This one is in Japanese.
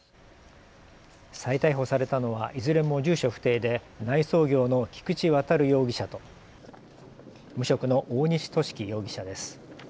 再逮捕されたのはいずれも住所不定で内装業の菊地渉容疑者と無職の大西寿貴容疑者です。